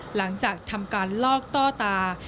หลังจากทำการลอกต้อตา